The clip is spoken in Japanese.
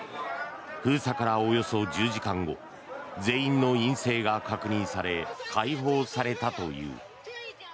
封鎖からおよそ１０時間後全員の陰性が確認され解放されたという。